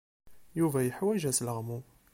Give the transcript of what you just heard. Yuba yeḥwaj asleɣmu.